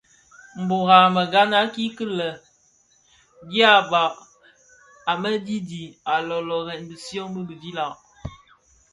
Mburag a meghan a kiki lè dyaba a mëdidi a lōōrèn bishyō bi bidilag.